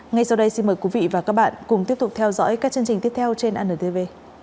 ngay sau đây xin mời quý vị và các bạn cùng tiếp tục theo dõi các chương trình tiếp theo trên anntv